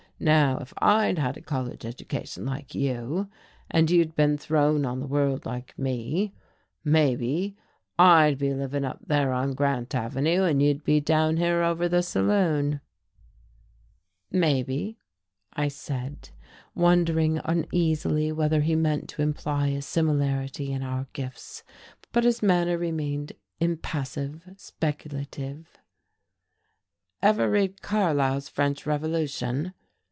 Now if I'd had a college education, like you, and you'd been thrown on the world, like me, maybe I'd be livin' up there on Grant Avenue and you'd be down here over the saloon." "Maybe," I said, wondering uneasily whether he meant to imply a similarity in our gifts. But his manner remained impassive, speculative. "Ever read Carlyle's 'French Revolution'?"